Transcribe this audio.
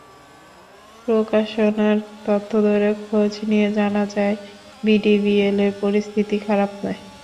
প্রকাশনার তথ্য ধরে খোঁজ নিয়ে জানা যায়, বিডিবিএলের পরিস্থিতি খারাপ নয়।